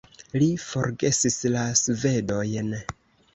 Li forgesis la svedojn.